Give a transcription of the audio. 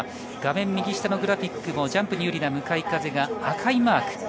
画面右下のグラフィックもジャンプに有利な向かい風が赤いマーク。